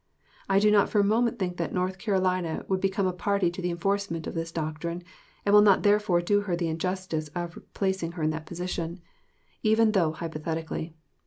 I do not for a moment think that North Carolina would become a party to the enforcement of this doctrine, and will not therefore do her the injustice of placing her in that position, even though hypothetically.